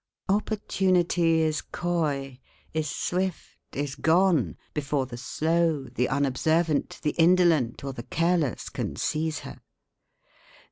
Opportunity is coy, is swift, is gone, before the slow, the unobservant, the indolent, or the careless can seize her.